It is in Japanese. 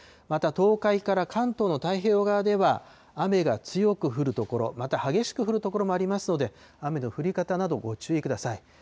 また東海から関東の太平洋側では雨が強く降る所、また激しく降る所もありますので、雨の降り方など、ご注意ください。